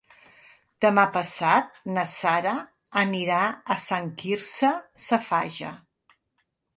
Demà passat na Sara anirà a Sant Quirze Safaja.